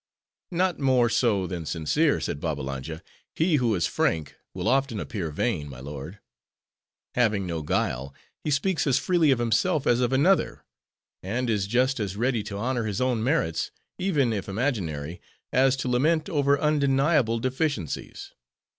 "Not more so, than sincere," said Babbalanja. "He who is frank, will often appear vain, my lord. Having no guile, he speaks as freely of himself, as of another; and is just as ready to honor his own merits, even if imaginary, as to lament over undeniable deficiencies.